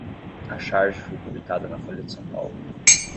A charge foi publicada na Folha de São Paulo